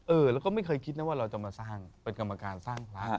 เออแล้วก็ไม่เคยคิดนะว่าเราจะมาสร้างเป็นกรรมการสร้างพระ